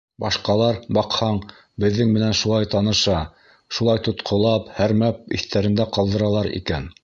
Башҡалар, баҡһаң, беҙҙең менән шулай таныша, шулай тотҡолап, һәрмәп иҫтәрендә ҡалдыралар икән.